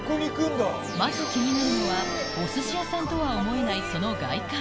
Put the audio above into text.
まず気になるのは、おすし屋さんとは思えないその外観。